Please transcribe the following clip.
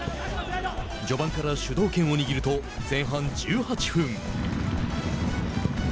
序盤から主導権を握ると前半１８分。